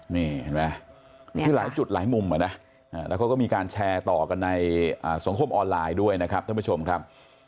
นี่เห็นไหมคือหลายจุดหลายมุมอะนะแล้วเขาก็มีการแชร์ต่อกันในสังคมออนไลน์ด้วยนะครับท่านผู้ชมครับ